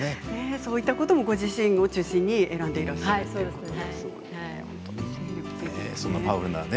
そういうこともご自身を中心に選んでいらっしゃるんですね。